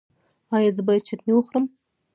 ایا زه باید چتني وخورم؟